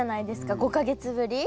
５か月ぶり。